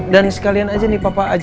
dan sekalian aja nih papa aja